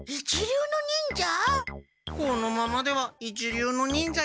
このままでは一流の忍者になれない。